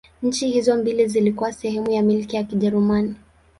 Nchi hizo mbili zilikuwa sehemu ya Milki ya Kijerumani.